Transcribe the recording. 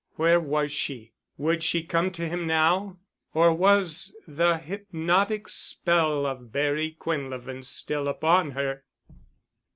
Where was she? Would she come to him now? Or was the hypnotic spell of Barry Quinlevin still upon her?